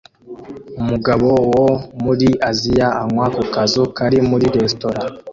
Umugabo wo muri Aziya anywa ku kazu kari muri resitora